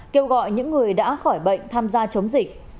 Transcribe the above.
kêu gọi những người đã khỏi bệnh tham gia chống dịch